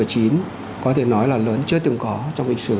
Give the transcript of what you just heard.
có thể nói là lớn chưa từng có trong lịch sử